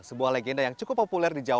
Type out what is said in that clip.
sebuah legenda yang cukup populer